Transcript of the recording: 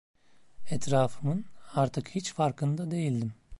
Etrafımın artık hiç farkında değildim.